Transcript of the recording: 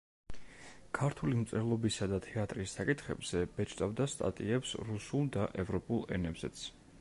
ქართული მწერლობისა და თეატრის საკითხებზე ბეჭდავდა სტატიებს რუსულ და ევროპულ ენებზეც.